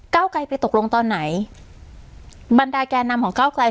เก้าไกลไปตกลงตอนไหนบรรดาแก่นำของก้าวไกล